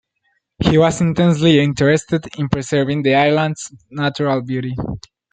He was intensely interested in preserving the island's natural beauty.